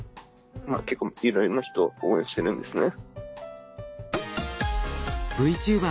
まあ結構いろいろな人を応援してるんですね。